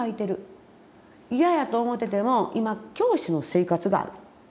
嫌やと思うてても今教師の生活がある。